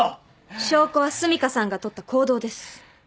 証拠は澄香さんがとった行動です。